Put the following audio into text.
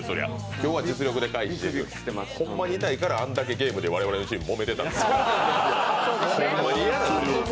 今日は実力で回避したし、ほんまに痛いから、あんだけゲームで我々のチームもめてたんです。